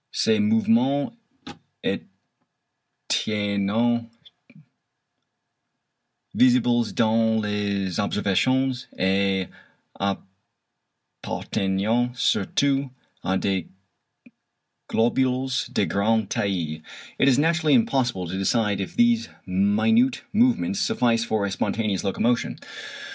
Ces mouvements étaient visibles dans les observations I et IV et appartenaient surtout à des globules de grande taille." It is naturally impossible to decide if these minute movements suffice for a spontaneous locomotion.